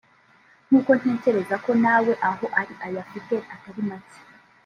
Nkuko ntekereza ko na we aho ari ayafite atari make